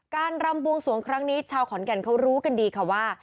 รำบวงสวงครั้งนี้ชาวขอนแก่นเขารู้กันดีค่ะว่า